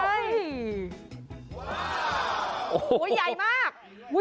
โอ้โหใหญ่มาก